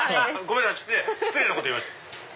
失礼なこと言いました。